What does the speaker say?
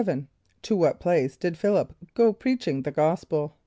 = To what place did Ph[)i]l´[)i]p go preaching the gospel?